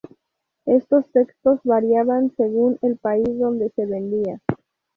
Estos textos variaban según el país donde se vendía.